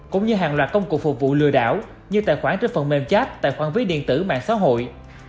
cũng như hàng loạt công cụ phục vụ lừa đảo như tài khoản trên phần mềm chat tài khoản ví điện tử mạng xã hội